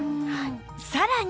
さらに